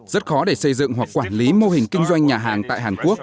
rất khó để xây dựng hoặc quản lý mô hình kinh doanh nhà hàng tại hàn quốc